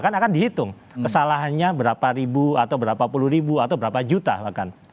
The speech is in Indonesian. kan akan dihitung kesalahannya berapa ribu atau berapa puluh ribu atau berapa juta bahkan